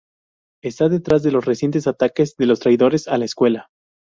Está detrás de los recientes ataques de los "traidores" a la escuela.